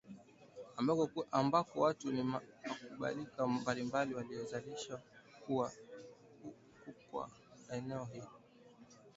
ambako watu wa makabila mbalimbali walilazimishwa kukaa eneo hilo